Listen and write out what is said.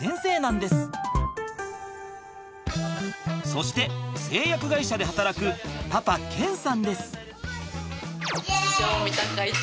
そして製薬会社で働くパパ謙さんです。